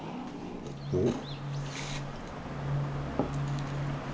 おっ！